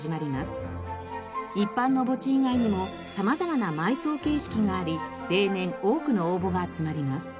一般の墓地以外にも様々な埋葬形式があり例年多くの応募が集まります。